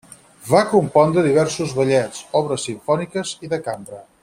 Va compondre diversos ballets, obres simfòniques i de cambra.